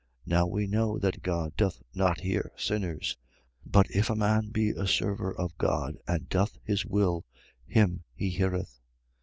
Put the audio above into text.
9:31. Now we know that God doth not hear sinners: but if a man be a server of God and doth his, will, him he heareth.